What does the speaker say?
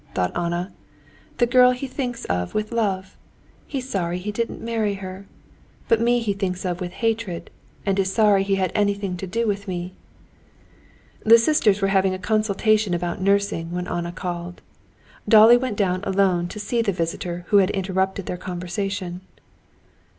thought Anna, "the girl he thinks of with love. He's sorry he didn't marry her. But me he thinks of with hatred, and is sorry he had anything to do with me." The sisters were having a consultation about nursing when Anna called. Dolly went down alone to see the visitor who had interrupted their conversation.